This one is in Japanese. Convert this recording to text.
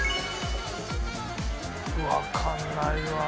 わかんないわ。